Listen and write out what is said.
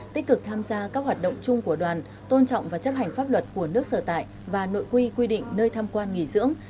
tích cực tham gia các hoạt động chung của đoàn tôn trọng và chấp hành pháp luật của nước sở tại và nội quy quy định nơi tham quan nghỉ dưỡng